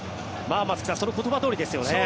松木さんその言葉どおりですよね。